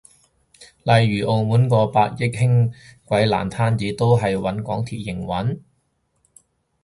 例如澳門個百億輕軌爛攤子都係搵港鐵營運？